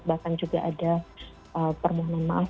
bahkan juga ada permohonan maaf